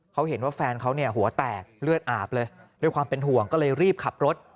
เขาเห็นว่าแฟนเขาเนี่ยหัวแตกเลือดอาบเลยด้วยความเป็นห่วงก็เลยรีบขับรถ